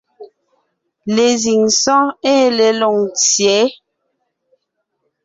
Lezíŋ sɔ́ɔn ée le Loŋtsyě,